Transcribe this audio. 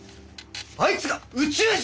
あいつが宇宙人！？